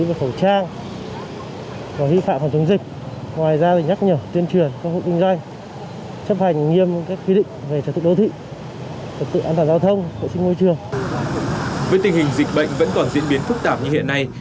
với tình hình dịch bệnh vẫn còn diễn biến phức tạp như hiện nay